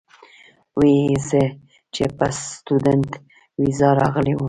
وې ئې زۀ چې پۀ سټوډنټ ويزا راغلی ووم